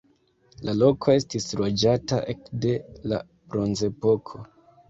La loko estis loĝata ekde la bronzepoko.